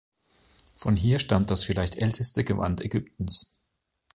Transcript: Von hier stammt das vielleicht älteste Gewand Ägyptens.